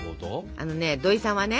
あのね土井さんはね